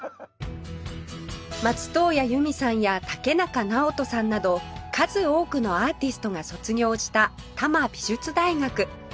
松任谷由実さんや竹中直人さんなど数多くのアーティストが卒業した多摩美術大学